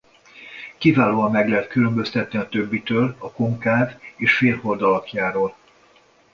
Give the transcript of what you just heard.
Kiválóan meg lehet különböztetni a többitől a konkáv és félhold alakjáról.